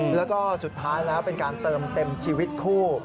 แล้วก็สุดท้ายแล้วเป็นการเติมเต็มชีวิตคู่